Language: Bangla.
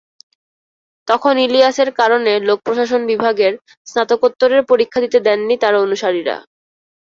তখন ইলিয়াসের কারণে লোকপ্রশাসন বিভাগের স্নাতকোত্তরের পরীক্ষা নিতে দেননি তাঁর অনুসারীরা।